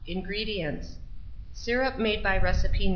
INGREDIENTS. Syrup made by recipe No.